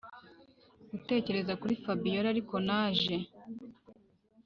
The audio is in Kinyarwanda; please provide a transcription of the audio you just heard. gutekereza kuri fabiora ariko naje